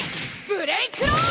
ブレイクロー！